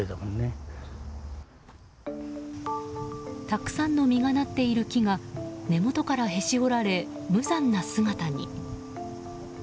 たくさんの実がなっている木が根元からへし折られ、無残な姿に。